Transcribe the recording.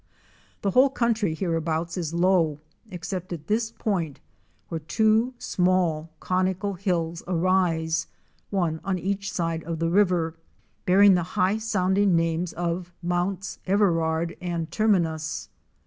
The whole country here abouts is low, except at this point where two small conical hills arise —one on each side of the river — bearing the high sounding names of Mounts Everard and Terminus.